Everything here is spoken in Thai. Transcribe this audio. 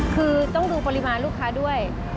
คือต้องดูปริมาณลูกค้าด้วย